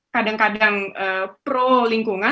kadang kadang pro lingkungan